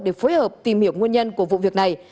để phối hợp tìm hiểu nguyên nhân của vụ việc này